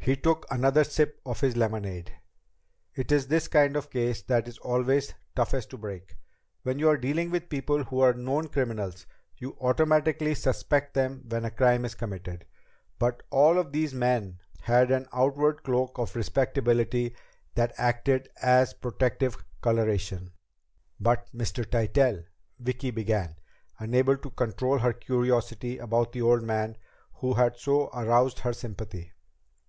He took another sip of his lemonade. "It is this kind of case that is always toughest to break. Where you are dealing with people who are known criminals, you automatically suspect them when a crime is committed. But all of these men had an outward cloak of respectability that acted as protective coloration." "But Mr. Tytell?" Vicki began, unable to control her curiosity about the old man who had so aroused her sympathy.